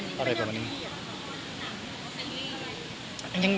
อันนี้เป็นเรื่องมีเหตุหรือเป็นเรื่องยังไง